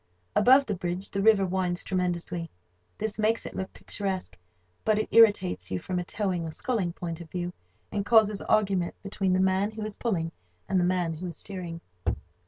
Above the bridge the river winds tremendously. This makes it look picturesque; but it irritates you from a towing or sculling point of view, and causes argument between the man who is pulling and the man who is steering.